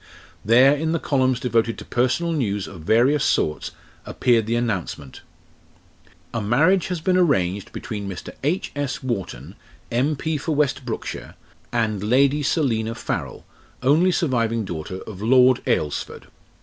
There, in the columns devoted to personal news of various sorts, appeared the announcement: "A marriage has been arranged between Mr. H.S. Wharfon, M.P. for West Brookshire, and Lady Selina Farrell, only surviving daughter of Lord Alresford.